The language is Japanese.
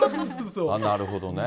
なるほどね。